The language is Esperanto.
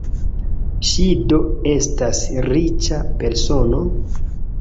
Ŝi do estas riĉa persono?